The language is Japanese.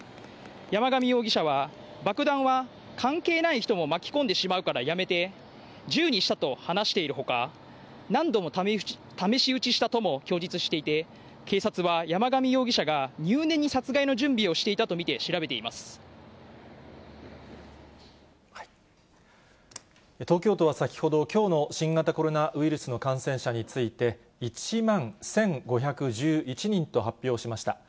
山上容疑者は、爆弾は関係ない人も巻き込んでしまうからやめて、銃にしたと話しているほか、何度も試し撃ちしたとも供述していて、警察は山上容疑者が入念に殺害の準備をしていたと見て、調べてい東京都は先ほど、きょうの新型コロナウイルスの感染者について、１万１５１１人と発表しました。